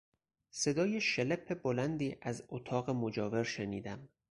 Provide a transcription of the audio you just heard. صدای شلپ بلندی را از اتاق مجاور شنیدم.